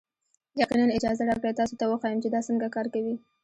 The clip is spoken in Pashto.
یقینا، اجازه راکړئ تاسو ته وښیم چې دا څنګه کار کوي.